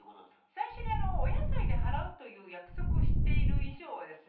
最初にお野菜で払うという約束をしている以上はですね